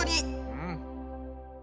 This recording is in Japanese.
うん。